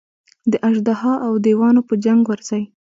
د اژدها او دېوانو په جنګ ورځي.